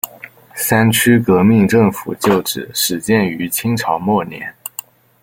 三区革命政府旧址始建于清朝末年。